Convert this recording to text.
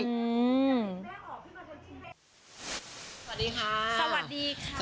สวัสดีค่ะสวัสดีค่ะ